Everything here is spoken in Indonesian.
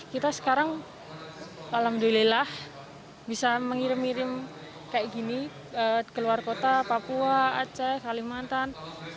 kita sekarang alhamdulillah bisa mengirim irim kayak gini ke luar kota papua aceh kalimantan